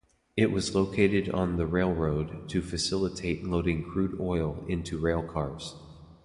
It was located on the railroad to facilitate loading crude oil into rail cars.